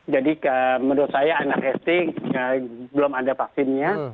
jadi menurut saya anak st belum ada vaksinnya